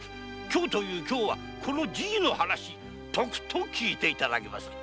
今日という今日はこのじいの話とくと聞いて頂きます。